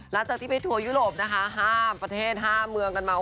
หลังจากที่ไปทัวร์ยุโรปนะคะห้ามประเทศห้ามเมืองกันมา